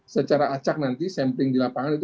secara acak nanti sampling di lapangan itu